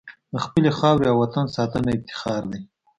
د خپلې خاورې او وطن ساتنه افتخار دی.